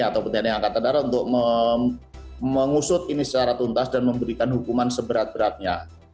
atau tni angkatan darat untuk mengusut ini secara tuntas dan memberikan hukuman seberat beratnya